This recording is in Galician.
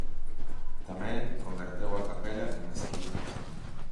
Tamén converteu a capela en mesquita.